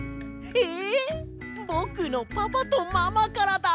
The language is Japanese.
えぼくのパパとママからだ！